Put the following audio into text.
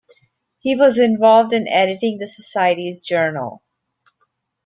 He was involved in editing the Society's journal.